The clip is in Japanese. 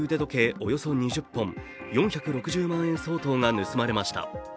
およそ２０本４６０万円相当が盗まれました。